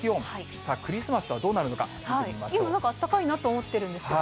さあ、クリスマスはどうなるのか今、なんかあったかいなと思ってるんですけど。